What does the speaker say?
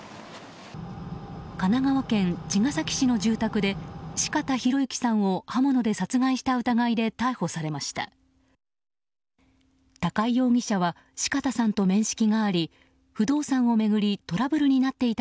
神奈川県茅ヶ崎市の住宅で四方洋行さんを刃物で殺害した疑いで逮捕されました。